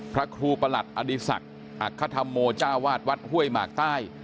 พระครูประหลัดอดีศักดิ์อักษธรรมโมจ้าวาดวัดห้วยหมากใต้